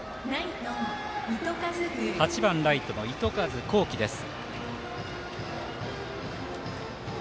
８番ライトの糸数幸輝です。